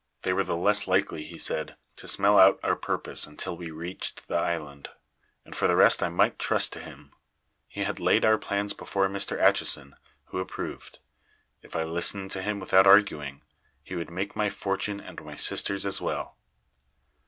They were the less likely, he said, to smell out our purpose until we reached the island, and for the rest I might trust to him. He had laid our plans before Mr. Atchison, who approved. If I listened to him without arguing, he would make my fortune and my sister's as well.